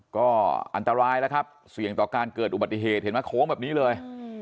ก็อันตรายแล้วครับเสี่ยงต่อการเกิดอุบัติเหตุเห็นไหมโค้งแบบนี้เลย